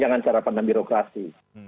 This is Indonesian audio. jangan cara pandang birokrasi